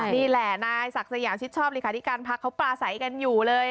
นี่แหละนายศักดิ์สยามชิดชอบเลขาธิการพักเขาปลาใสกันอยู่เลย